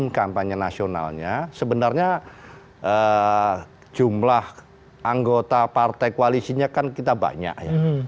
tim kampanye nasionalnya sebenarnya jumlah anggota partai koalisinya kan kita banyak ya